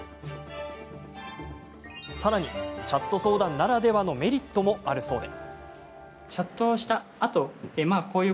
さらに、チャット相談ならではのメリットもあるそうで。